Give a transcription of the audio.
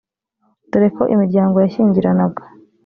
dore ko imiryango yashyingiranaga